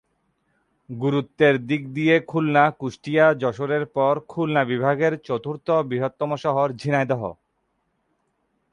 গুরুত্বের দিক দিয়ে খুলনা, কুষ্টিয়া, যশোরের পর খুলনা বিভাগের চতুর্থ বৃহত্তম শহর ঝিনাইদহ।